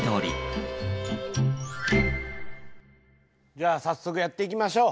じゃあ早速やっていきましょう。